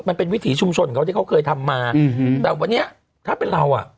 วิถีชุมชนเขาที่เขาเคยทำมาอืมแต่วันนี้ถ้าเป็นเราอ่ะ